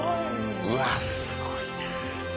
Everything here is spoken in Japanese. うわっすごいな。